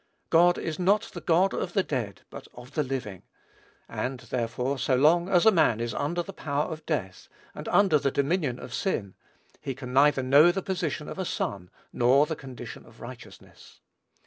"God is not the God of the dead, but of the living," and, therefore, so long as a man is under the power of death, and under the dominion of sin, he can neither know the position of a son, nor the condition of righteousness.